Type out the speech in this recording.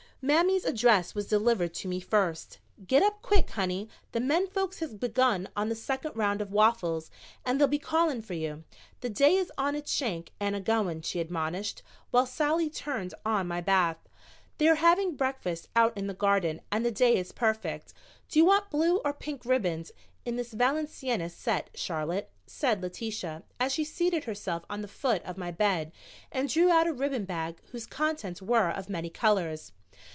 Mammy's address was delivered to me first. "Git up quick, honey; the men folks has begun on the second round of waffles and they'll be calling for you. The day is on its shanks and a going," she admonished, while Sallie turned on my bath. "They are having breakfast out in the garden and the day is perfect. Do you want blue or pink ribbons in this Valenciennes set, Charlotte?" said Letitia, as she seated herself on the foot of my bed and drew out a ribbon bag whose contents were of many colors.